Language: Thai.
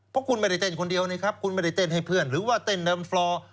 เพราะคุณไม่ได้เต้นคนเดียวนะครับคุณไม่ได้เต้นให้เพื่อนหรือว่าเต้นเดินฟลอร์